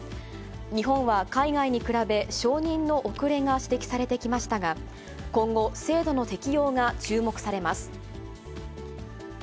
日本は海外に比べ、承認の遅れが指摘されてきましたが、今後、制度の適用が注目されます。